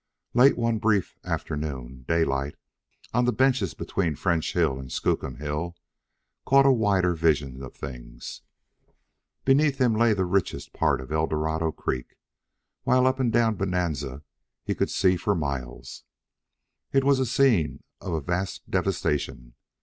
Late one brief afternoon, Daylight, on the benches between French Hill and Skookum Hill, caught a wider vision of things. Beneath him lay the richest part of Eldorado Creek, while up and down Bonanza he could see for miles. It was a scene of a vast devastation.